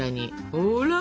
ほら！